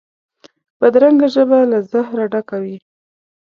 بدرنګه ژبه له زهره ډکه وي